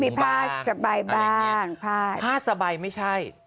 มีผ้าสบายบ้างผ้าสบายไม่ใช่